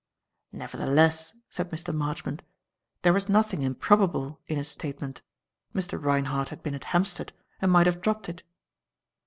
"Nevertheless," said Mr. Marchmont, "there was nothing improbable in his statement. Mr. Reinhardt had been at Hampstead and might have dropped it."